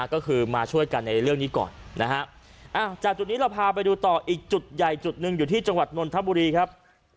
ก็คือมาช่วยกันในเรื่องนี้ก่อนนะฮะจากจุดนี้เราพาไปดูต่ออีกจุดใหญ่จุดหนึ่งอยู่ที่จังหวัดนนทบุรีครับ